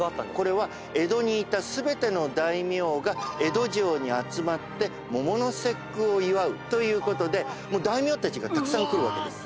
これは江戸にいた全ての大名が江戸城に集まって桃の節句を祝うということで大名たちがたくさん来るわけです。